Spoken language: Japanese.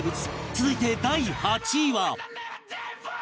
続いて第８位は